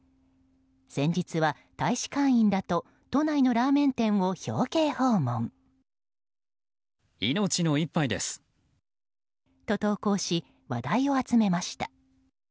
先日は大使館員らと都内のラーメン店を表敬訪問。と投稿し、話題を集めました。